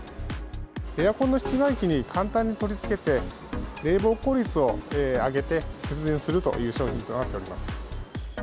エアコンの室外機に簡単に取り付けて、冷房効率を上げて節電するという商品となっております。